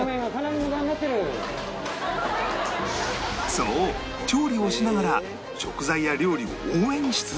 そう調理をしながら食材や料理を応援し続けている